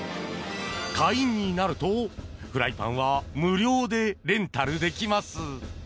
会員になると、フライパンは無料でレンタルできます。